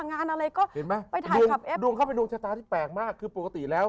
งานอะไรก็เห็นไหมไปถ่ายช็อปเอฟดวงเขาเป็นดวงชะตาที่แปลกมากคือปกติแล้ว